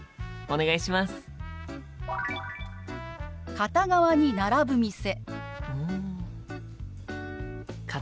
片側に並ぶ店。